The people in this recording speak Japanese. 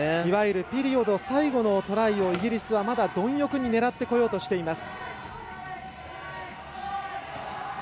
ピリオド最後のトライをイギリスはまだどん欲に狙ってこようとしています。